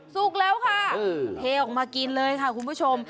สุกแล้วค่ะเทออกมากินเลยค่ะคุณผู้ชม